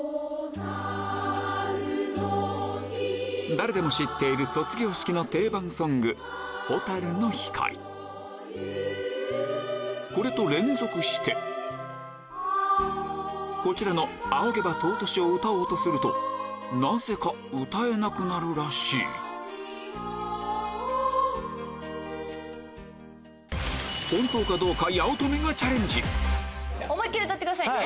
誰でも知ってる卒業式の定番ソングこれと連続してこちらの『仰げば尊し』を歌おうとするとなぜか歌えなくなるらしい本当かどうか思い切り歌ってくださいね。